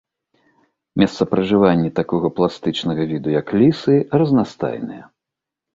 Месцапражыванні такога пластычнага віду, як лісы, разнастайныя.